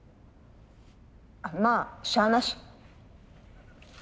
まあしゃあなし。